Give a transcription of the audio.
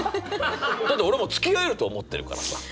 だって俺もう付き合えると思ってるからさ。